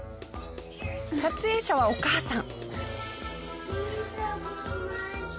撮影者はお母さん。